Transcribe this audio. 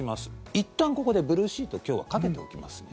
いったんここでブルーシートを今日はかけておきます。